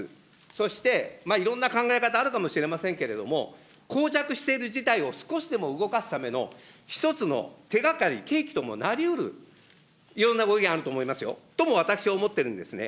そしていろんな考え方、あるかもしれませんけれども、こう着している事態を少しでも動かすための、１つの手がかり、契機ともなりうる、いろんなご意見あると思いますよ、とも私、思ってるんですね。